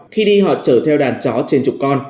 khi đi họ chở theo đàn chó trên chục con